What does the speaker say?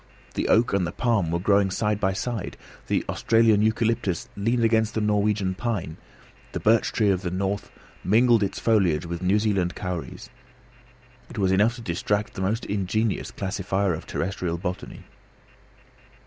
The oak and the palm were growing side by side, the Australian eucalyptus leaned against the Norwegian pine, the birch tree of the north mingled its foliage with New Zealand kauris. It was enough to distract the most ingenious classifier of terrestrial botany.